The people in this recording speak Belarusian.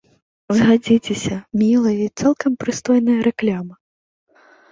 Згадзіцеся, мілая і цалкам прыстойная рэклама.